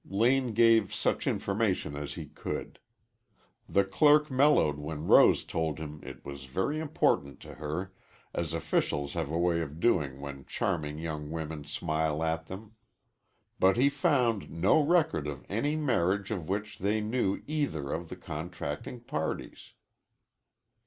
Lane gave such information as he could. The clerk mellowed when Rose told him it was very important to her, as officials have a way of doing when charming young women smile at them. But he found no record of any marriage of which they knew either of the contracting parties.